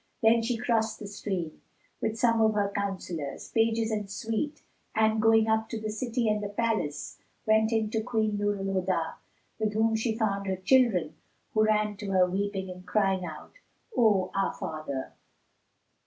Then she crossed the stream, with some of her counsellors, pages and suite and, going up to the city and the palace, went in to Queen Nur al Huda, with whom she found her children who ran to her weeping and crying out, "O our father!"